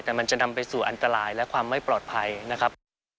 แต่มันจะนำไปสู่อันตรายและความไม่ปลอดภัยนะครับ